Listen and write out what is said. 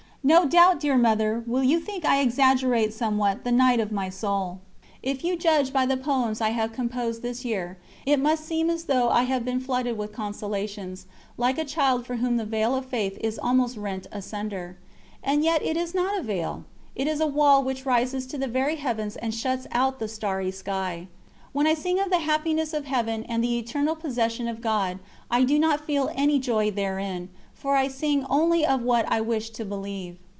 No doubt, dear Mother, you will think I exaggerate somewhat the night of my soul. If you judge by the poems I have composed this year, it must seem as though I have been flooded with consolations, like a child for whom the veil of Faith is almost rent asunder. And yet it is not a veil it is a wall which rises to the very heavens and shuts out the starry sky. When I sing of the happiness of Heaven and the eternal possession of God, I do not feel any joy therein, for I sing only of what I wish to believe.